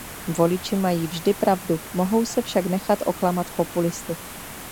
Voliči mají vždy pravdu, mohou se však nechat oklamat populisty.